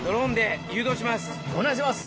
お願いします。